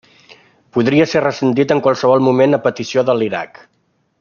Podria ser rescindit en qualsevol moment a petició de l'Iraq.